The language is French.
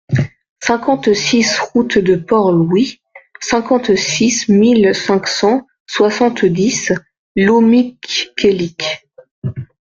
cinquante-six route de Port-Louis, cinquante-six mille cinq cent soixante-dix Locmiquélic